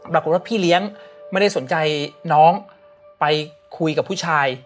ปรากฏว่าพี่เลี้ยงไม่ได้สนใจน้องไปคุยกับผู้ชาย